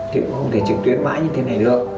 thì cũng không thể trực tuyến mãi như thế này lợi